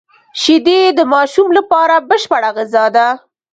شیدې د ماشوم لپاره بشپړه غذا ده